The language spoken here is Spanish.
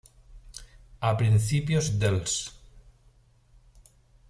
A principios dels.